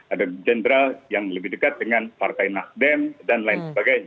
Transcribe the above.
ada jenderal yang lebih dekat dengan partai nasdem dan lain sebagainya